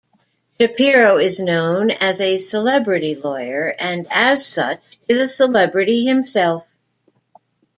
Shapiro is known as a "celebrity" lawyer and as such is a celebrity himself.